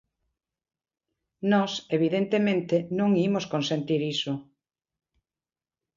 Nós evidentemente non imos consentir iso.